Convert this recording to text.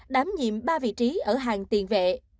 đám nhiệm ba vị trí ở hàng tiền vệ